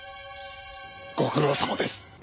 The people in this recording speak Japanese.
ご苦労さまです。